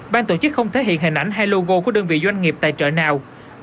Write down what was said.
ban tổ chức không thể hiện hình ảnh hay logo của đơn vị doanh nghiệp tài trợ nào